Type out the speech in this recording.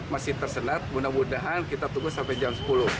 masih tersendat mudah mudahan kita tunggu sampai jam sepuluh